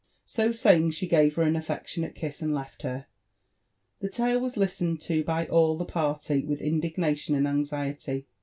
" So saying, she gave her an affectionate kiss and left hjsr. The tale was listened to by all the party with indignation and anxiety.